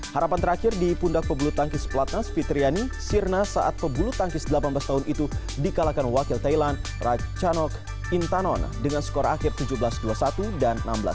harapan terakhir di pundak pebulu tangkis platnas fitriani sirna saat pebulu tangkis delapan belas tahun itu dikalahkan wakil thailand rachanok intanon dengan skor akhir tujuh belas dua puluh satu dan enam belas dua puluh